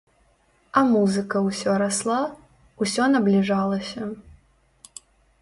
А музыка ўсё расла, усё набліжалася.